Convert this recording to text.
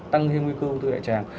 tăng hương nguy cơ của công thức đại tràng